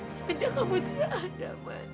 sebenernya kamu tidak ada mas